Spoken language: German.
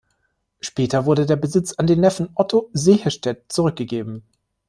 Später wurde der Besitz an den Neffen Otto Sehestedt zurückgegeben.